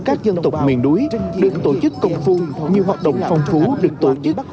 các dân tộc miền núi được tổ chức công phu nhiều hoạt động phong phú được tổ chức